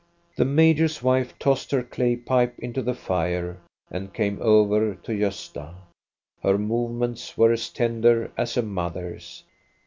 The major's wife tossed her clay pipe into the fire and came over to Gosta. Her movements were as ten der as a mother's.